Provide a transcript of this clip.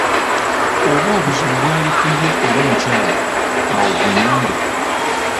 Oba obuzibu bwali ku ye oba mukyala, awo ggwe nange!